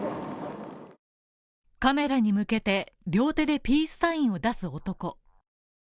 カメラに向けて、両手でピースサインを出す男。